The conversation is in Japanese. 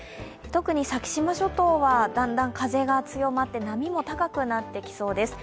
特に先島諸島はだんだん風が強まって波も高くなってきそうです。